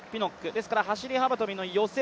ですから走り幅跳の予選